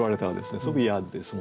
すごく嫌ですもんね。